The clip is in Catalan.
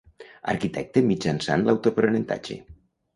Arquitecte mitjançant l'autoaprenentatge.